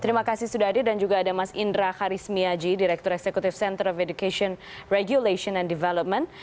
terima kasih sudah hadir dan juga ada mas indra karismiaji direktur eksekutif center of education regulation and development